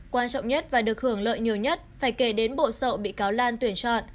quan trọng nhất và được hưởng lợi nhiều nhất phải kể đến bộ sậu bị cáo lan tuyển chọn